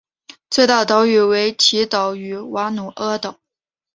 最大的岛屿为维提岛与瓦努阿岛。